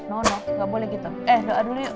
no no gak boleh gitu eh doa dulu yuk